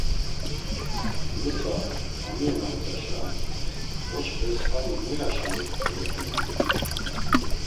Nusa amiyonamt̆aşa oçxes xami muyaşeni dolotsonaman?